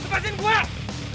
kayaknya bener dua aja